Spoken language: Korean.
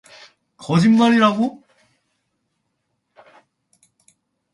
거짓말이라고?